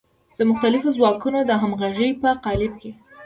د مختلفو ځواکونو د همغږۍ په قالب کې.